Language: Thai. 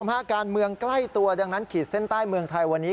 ภาคการเมืองใกล้ตัวดังนั้นขีดเส้นใต้เมืองไทยวันนี้